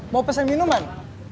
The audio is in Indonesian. mau pesen minuman